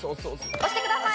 押してください。